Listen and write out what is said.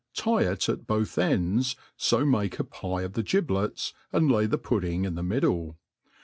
tie it at both eods, fo make a pie of the giblets, and lay ^he pudding in the middle.